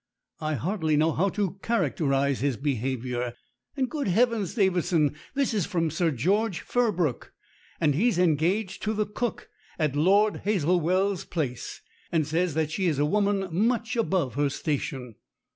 "I hardly know how to characterize his behavior, and good heavens, Davidson, this is from Sir George Firbrook, and he's engaged to the cook at Lord Hazel well's place, and says that she is a woman much above her station."